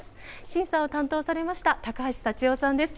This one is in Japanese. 審査を担当されました高橋幸夫さんです。